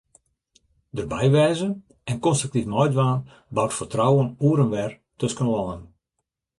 Derby wêze, en konstruktyf meidwaan, bouwt fertrouwen oer en wer tusken lannen.